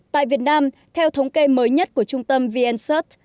tại việt nam theo thống kê mới nhất của trung tâm vncert